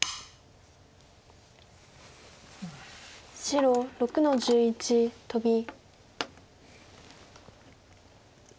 白６の十一トビ。